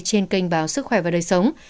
trên kênh báo sức khỏe và đời sống